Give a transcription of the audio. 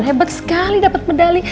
hebat sekali dapat medali